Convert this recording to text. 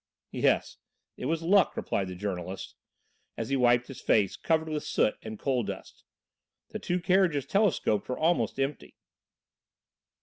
"Yes, it was luck," replied the journalist, as he wiped his face, covered with soot and coal dust. "The two carriages telescoped were almost empty."